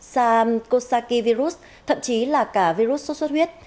sacosaki virus thậm chí là cả virus sốt xuất huyết